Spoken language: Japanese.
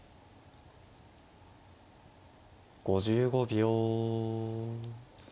５５秒。